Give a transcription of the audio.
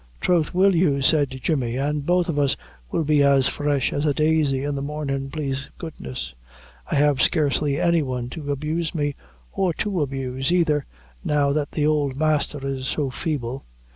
"Throth will you," said Jemmy; "an' both of us will be as fresh as a daisy in the mornin', plaise goodness. I have scarcely any one to abuse me, or to abuse, either, now that the ould masther is so feeble."